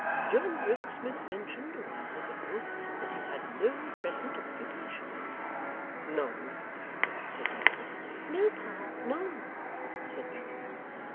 John Rokesmith mentioned, a while ago, that he had no present occupation.' 'None,' said Rokesmith. 'No, Pa, none,' said Bella.